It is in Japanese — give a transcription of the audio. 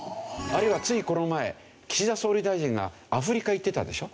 あるいはついこの前岸田総理大臣がアフリカへ行ってたでしょ。